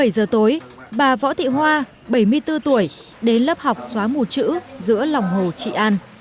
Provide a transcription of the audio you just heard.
bảy giờ tối bà võ thị hoa bảy mươi bốn tuổi đến lớp học xóa mù chữ giữa lòng hồ trị an